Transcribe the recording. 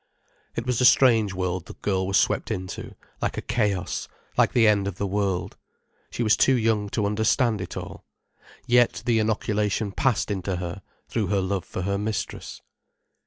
It was a strange world the girl was swept into, like a chaos, like the end of the world. She was too young to understand it all. Yet the inoculation passed into her, through her love for her mistress.